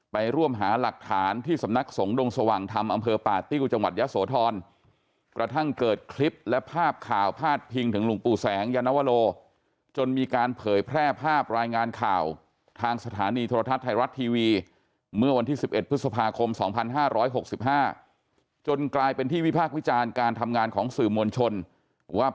ไปร่วมหาหลักฐานที่สำนักสงฆ์ดงสว่างธรรมอำเภอป่าติ้วจังหวัดยะโสธรกระทั่งเกิดคลิปและภาพข่าวพาดพิงถึงหลวงปู่แสงยานวโลจนมีการเผยแพร่ภาพรายงานข่าวทางสถานีโทรทัศน์ไทยรัฐทีวีเมื่อวันที่๑๑พฤษภาคม๒๕๖๕จนกลายเป็นที่วิพากษ์วิจารณ์การทำงานของสื่อมวลชนว่า